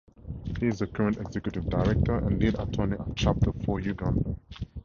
He is the current Executive Director and Lead Attorney at Chapter Four Uganda.